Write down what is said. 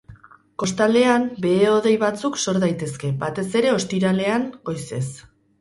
Kostaldean, behe-hodei batzuk sor daitezke, batez ere, ostiralean goizez.